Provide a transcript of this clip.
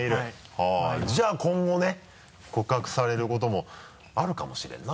はぁじゃあ今後ね告白されることもあるかもしれんな。